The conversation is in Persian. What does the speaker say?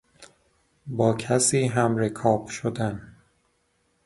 با کسی همرکاب شدن